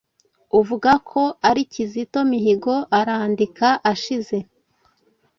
uvuga ko ari Kizito Mihigo arandika ashize